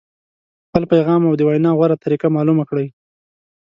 خپل پیغام او د وینا غوره طریقه معلومه کړئ.